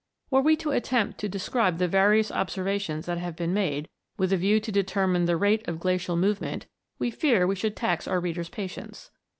Were we to attempt to describe the various obser vations that have been made with a view to deter mine the rate of glacial movement, we fear we should tax our reader's patience.